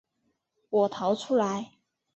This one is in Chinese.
我逃出来